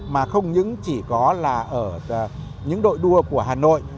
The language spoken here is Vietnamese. mà không chỉ có ở những đội đua của hà nội